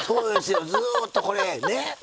ずっとこれねっ。